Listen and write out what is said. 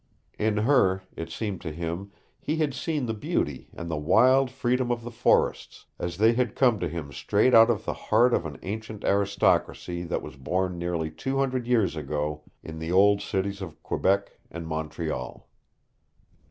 In her, it seemed to him, he had seen the beauty and the wild freedom of the forests as they had come to him straight out of the heart of an ancient aristocracy that was born nearly two hundred years ago in the old cities of Quebec and Montreal.